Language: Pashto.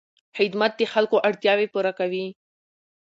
خدمت د خلکو اړتیاوې پوره کوي.